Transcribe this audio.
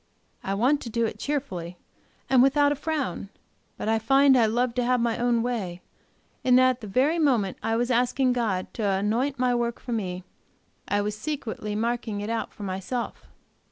I want to do it cheerfully and without a frown. But I find I love to have my own way, and that at the very moment I was asking God to appoint my work for me, I was secretly marking it out for myself.